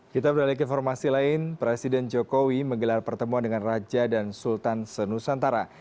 kita beralih ke informasi lain presiden jokowi menggelar pertemuan dengan raja dan sultan senusantara